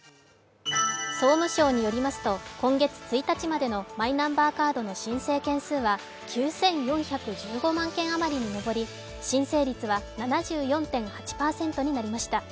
総務省によりますと今月１日までのマイナンバーカードの申請件数は９４１５万件余りに上り、申請率は７４．８％になりました。